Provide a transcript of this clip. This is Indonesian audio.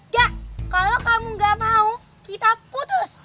dak kalau kamu gak mau kita putus